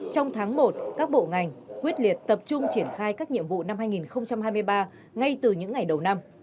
trong tháng một các bộ ngành quyết liệt tập trung triển khai các nhiệm vụ năm hai nghìn hai mươi ba ngay từ những ngày đầu năm